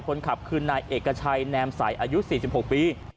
คนขับคือนายเอกชัยแนมใสอายุ๔๖ปี